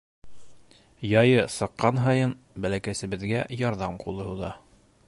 Яйы сыҡҡан һайын бәләкәсебеҙгә ярҙам ҡулы һуҙа.